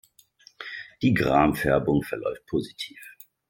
Die Gram-Färbung verläuft positiv.